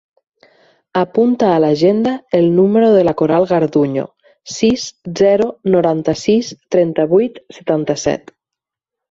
Apunta a l'agenda el número de la Coral Garduño: sis, zero, noranta-sis, trenta-vuit, setanta-set.